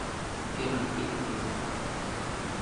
Kema, ijkon.